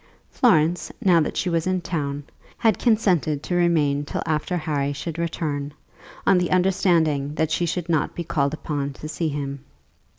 Florence, now that she was in town, had consented to remain till after Harry should return, on the understanding that she should not be called upon to see him.